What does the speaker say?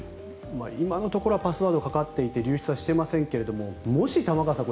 今のところはパスワードがかかっていて流出していませんがもし、玉川さん